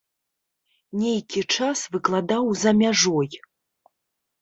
Нейкі час выкладаў за мяжой.